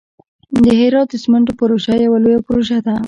د هرات د سمنټو پروژه یوه لویه پروژه ده.